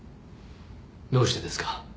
どうしてですか？